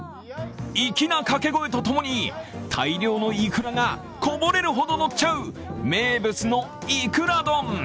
粋な掛け声とともに、大量のイクラがこぼれるほどのっちゃう名物のイクラ丼。